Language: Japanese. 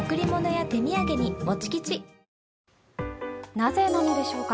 なぜなのでしょうか。